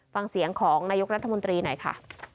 ฟังเสียงของนายกรัฐมนตรีหน่อยค่ะ